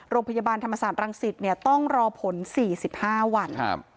โรงพยาบาลธรรมศาสตร์รังสิตต้องรอผล๔๕วัน